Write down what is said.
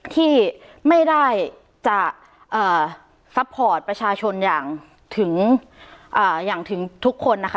ที่ไม่ได้จะซัพพอร์ตประชาชนอย่างถึงทุกคนนะคะ